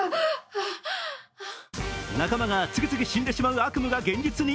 仲間が次々死んでしまう悪夢が現実に？